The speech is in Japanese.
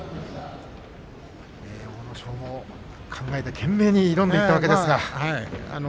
阿武咲も考えて懸命に挑んでいったわけですが。